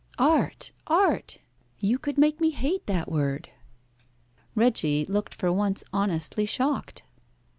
"Art! art! You could make me hate that word!" Reggie looked for once honestly shocked.